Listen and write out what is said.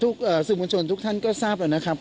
ตอนนี้สนุกปรชนทุกท่านก็ทราบแล้วนะครับ